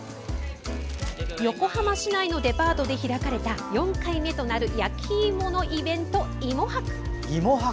横浜市内のデパートで開かれた４回目となる焼きいものイベント、芋博。